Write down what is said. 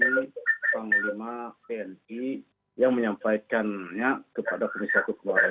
dan melihat pembelajaran dari panglima tni yang menyampaikannya kepada kmu satu kemarin